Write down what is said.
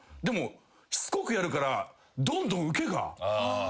でもしつこくやるからどんどんウケが。